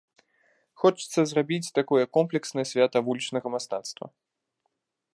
Хочацца зрабіць такое комплекснае свята вулічнага мастацтва.